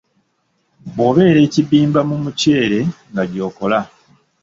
Bw’obeera e kibimba mu muceere nga gyokola.